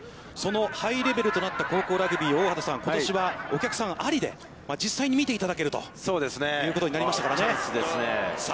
そのハイレベルとなった高校ラグビー、大畑さん、ことしはお客さんありで、実際に見ていただけるということになりましたね。